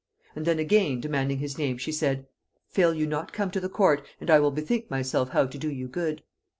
And then again, demanding his name, she said, 'Fail you not to come to the court, and I will bethink myself how to do you good.'